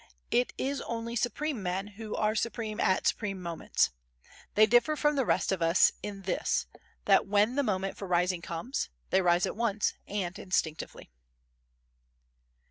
It is only supreme men who are supreme at supreme moments. They differ from the rest of us in this that, when the moment for rising comes, they rise at once and instinctively.